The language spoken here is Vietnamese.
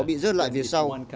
bị rớt lại về sau